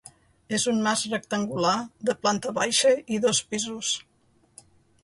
És un mas rectangular de planta baixa i dos pisos.